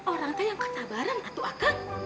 orang itu yang ketabaran atau aku